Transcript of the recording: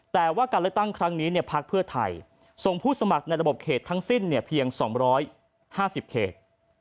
แต่ว่าการเลือกตั้งครั้งนี้พักเพื่อไทยส่งผู้สมัครในระบบเขตทั้งสิ้นเพียง๒๕๐เขต